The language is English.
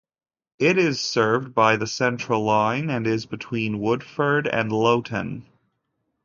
It is served by the Central line and is between Woodford and Loughton.